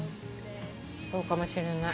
そうかもしれない。